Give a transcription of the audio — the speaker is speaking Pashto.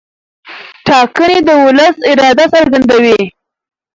ټاکنې د ولس اراده څرګندوي